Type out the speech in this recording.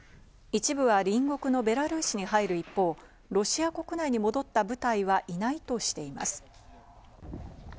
一部は隣国のベラルーシに入る一方、ロシア国内に戻った部隊はいないとしています。